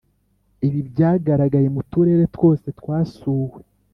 ibi byagaragaye mu turere twose twasuwe.